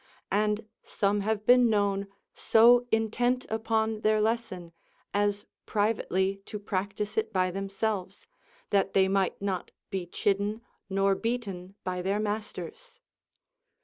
And some have been known so intent upon their lesson as privately to practice it by themselves, that they might not be chidden nor beaten by their masters.